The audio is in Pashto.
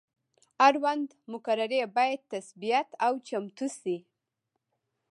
اړونده مقررې باید تثبیت او چمتو شي.